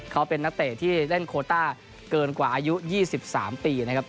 เขาเป็นนักเตะที่เล่นโคต้าเกินกว่าอายุ๒๓ปีนะครับ